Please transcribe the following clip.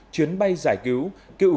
chuyến bay giải cứu